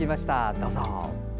どうぞ。